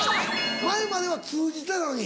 前までは通じてたのに？